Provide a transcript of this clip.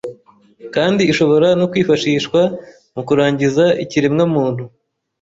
kandi ishobora no kwifashishwa mu kurangiza ikiremwamuntu.